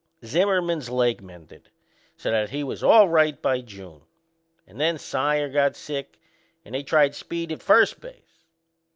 Zimmerman's leg mended, so that he was all right by June; and then Saier got sick and they tried Speed at first base.